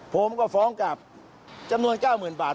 ผมก็ฟ้องกลับจำนวน๙๐๐๐บาท